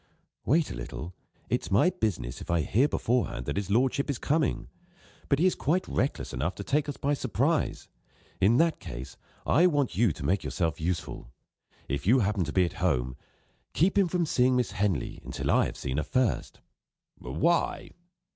"Wait a little. It's my business, if I hear beforehand that his lordship is coming. But he is quite reckless enough to take us by surprise. In that case, I want you to make yourself useful. If you happen to be at home, keep him from seeing Miss Henley until I have seen her first." "Why?"